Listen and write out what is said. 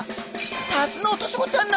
タツノオトシゴちゃんなんです。